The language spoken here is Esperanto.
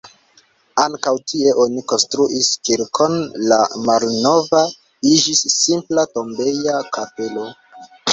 Ankaŭ tie oni konstruis kirkon, la malnova iĝis simpla tombeja kapelo.